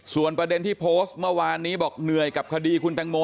ส่วนประเด็นที่โพสต์เมื่อวานนี้บอกเหนื่อยกับคดีคุณตังโม